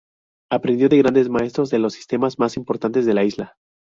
Aprendió de grandes Maestros de los sistemas más importantes de la isla.